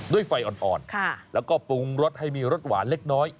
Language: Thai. ด้วยไฟอ่อนแล้วก็ปรุงรสให้มีรสหวานเล็กน้อย